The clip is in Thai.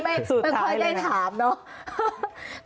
เมื่อกี้ไม่ค่อยได้ถามเนอะ